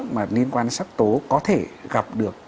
mà liên quan sắc tố có thể gặp được